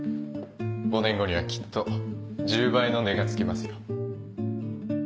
５年後にはきっと１０倍の値が付きますよ。